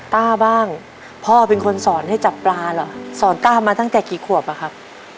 ป้าบ้างพ่อเป็นคนสอนให้จับปลาเหรอสอนต้ามาตั้งแต่กี่ขวบอะครับ